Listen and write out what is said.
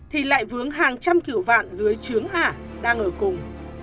thì lại vướng hàng trăm kiểu vạn dưới chướng ả đang ở cùng